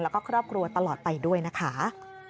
แล้วก็ครอบครัวตลอดไปด้วยนะคะ